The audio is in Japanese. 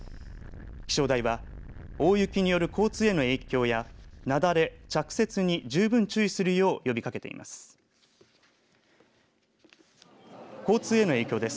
気象台は大雪による交通への影響や雪崩着雪に十分注意するよう呼びかけています。